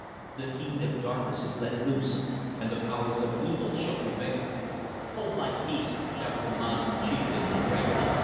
The fiend of darkness is let loose, and the powers of evil shall prevail." "Hold thy peace," shouted the Moslem chieftain, enraged.